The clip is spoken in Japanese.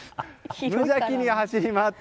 無邪気に走り回って。